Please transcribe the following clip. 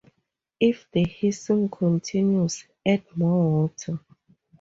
If the hissing continues, add more water.